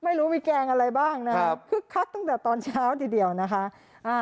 ไม่รู้มีแกงอะไรบ้างนะครับคึกคักตั้งแต่ตอนเช้าทีเดียวนะคะ